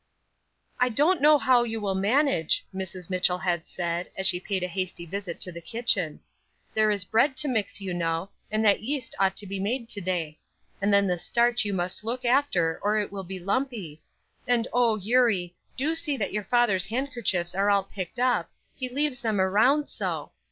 "I don't know how you will manage," Mrs. Mitchell had said, as she paid a hasty visit to the kitchen. "There is bread to mix, you know, and that yeast ought to be made to day; and then the starch you must look after or it will be lumpy; and oh, Eurie, do see that your father's handkerchiefs are all picked up, he leaves them around so.